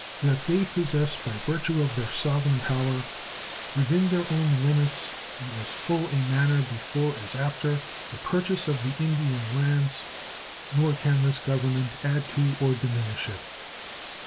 That they possess by virtue of their sovereign power within their own limits in as full a manner before as after the purchase of the Indian lands; nor can this Government add to or diminish it.